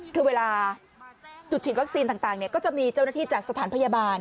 คือเวลาจุดฉีดวัคซีนต่างก็จะมีเจ้าหน้าที่จากสถานพยาบาล